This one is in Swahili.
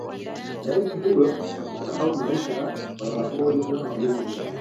Raisi huyo hakusahau maisha ya walalahoi na wanyonge